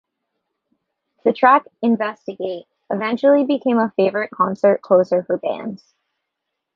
The track "Investigate" eventually became a favourite concert closer for the band.